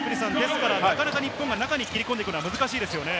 なかなか日本が中に切り込むの難しいですね。